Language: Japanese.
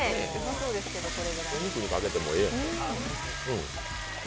お肉にかけてもええやん。